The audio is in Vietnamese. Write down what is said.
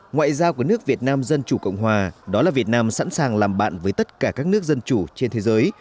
ngoại giao của nước việt nam dân chủ cộng hòa đó là việt nam sẵn sàng làm bạn với tất cả các nước dân chủ trên thế giới